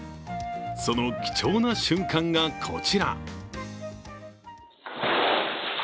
その貴重な瞬間がこちら。